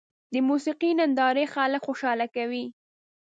د موسیقۍ نندارې خلک خوشحاله کوي.